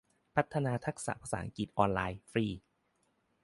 พัฒนาทักษะภาษาอังกฤษออนไลน์ฟรี